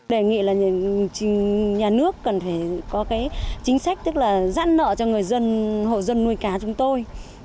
đề nghị là nhà nước cần phải có cái chính sách tức là giãn nợ cho người dân hộ dân nuôi cá chúng tôi